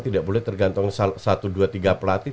tidak boleh tergantung satu dua tiga pelatih